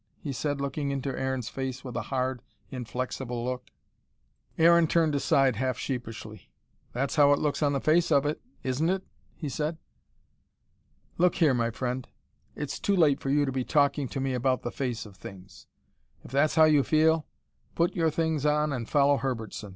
he said, looking into Aaron's face with a hard, inflexible look. Aaron turned aside half sheepishly. "That's how it looks on the face of it, isn't it?" he said. "Look here, my friend, it's too late for you to be talking to me about the face of things. If that's how you feel, put your things on and follow Herbertson.